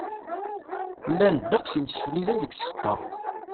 Llan ddeqs imsefliden deg tzeqqa.